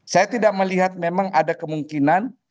saya tidak melihat memang ada kemungkinan